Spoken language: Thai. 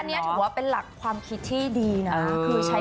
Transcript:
อันนี้ถือว่าเป็นหลักความคิดที่ดีนะ